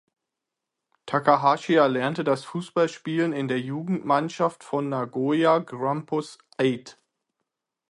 Takahashi erlernte das Fußballspielen in der Jugendmannschaft von Nagoya Grampus Eight.